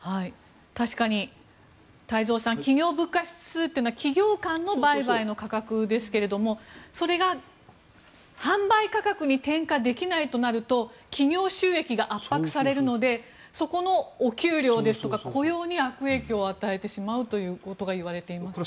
確かに太蔵さん企業物価指数というのは企業間の売買の価格ですけれどそれが販売価格に転嫁できないとなると企業収益が圧迫されるのでそこのお給料ですとか雇用に悪影響を与えてしまうということが言われていますね。